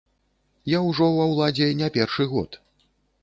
Я ўжо ва ўладзе не першы год.